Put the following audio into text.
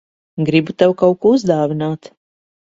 Gribu tev kaut ko uzdāvināt.